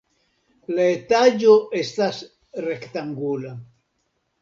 La etaĝo estas rektangula.